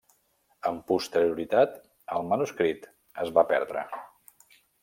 Amb posterioritat, el manuscrit es va perdre.